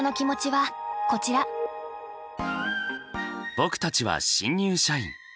僕たちは新入社員。